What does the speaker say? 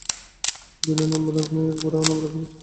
বিনয় নাবালক নয় এবং গোরাও নাবলকের অছি নহে।